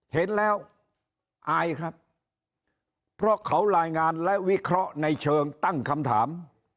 เห็นแล้วอายครับเพราะเขารายงานและวิเคราะห์ในเชิงตั้งคำถาม